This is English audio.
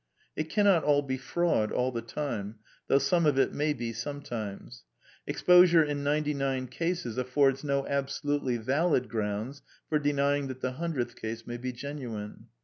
It cannot all be fraud, all the time, though some of it may be sometimes. Exposure in ninety nine cases af fords no absolutely valid grounds for denying that the hundredth case may be genuine.